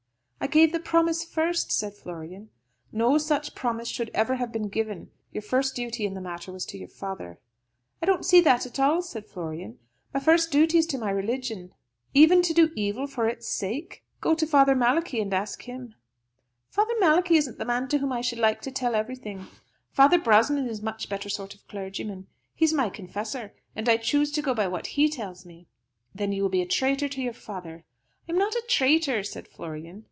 "I gave the promise first," said Florian. "No such promise should ever have been given. Your first duty in the matter was to your father." "I don't see that at all," said Florian. "My first duty is to my religion." "Even to do evil for its sake? Go to Father Malachi, and ask him." "Father Malachi isn't the man to whom I should like to tell everything. Father Brosnan is a much better sort of clergyman. He is my confessor, and I choose to go by what he tells me." "Then you will be a traitor to your father." "I am not a traitor," said Florian.